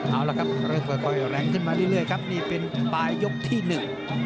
เอาละครับเริ่มค่อยค่อยแรงขึ้นมาเรื่อยครับนี่เป็นปลายยกที่หนึ่ง